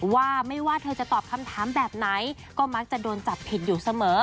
ว่าไม่ว่าเธอจะตอบคำถามแบบไหนก็มักจะโดนจับผิดอยู่เสมอ